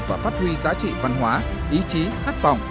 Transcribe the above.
và phát huy giá trị văn hóa ý chí khát vọng